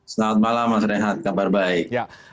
selamat malam mas renhat kabar baik